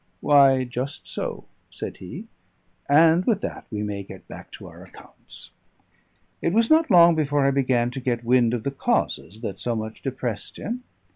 "Why, just so," said he. "And with that we may get back to our accounts." It was not long before I began to get wind of the causes that so much depressed him.